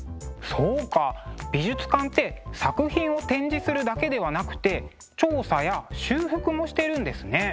そうか美術館って作品を展示するだけではなくて調査や修復もしてるんですね。